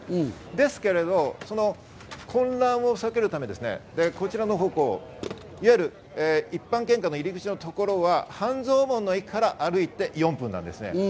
ですけれど、混乱を避けるため、こちらの方向、いわゆる一般献花台入り口のところは半蔵門の駅から歩いて４分です。